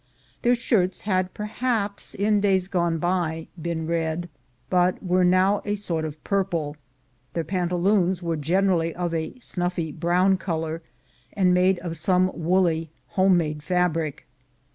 Their shirts had per haps, in days gone by, been red, but were now a sort of purple ; their pantaloons were generally of a snuffy brown color, and made of some woolly home made fabric.